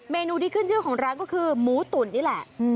เมนูที่ขึ้นชื่อของร้านก็คือหมูตุ๋นนี่แหละ